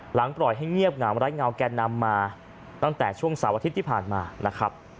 ปล่อยให้เงียบหงามไร้เงาแก่นำมาตั้งแต่ช่วงเสาร์อาทิตย์ที่ผ่านมานะครับ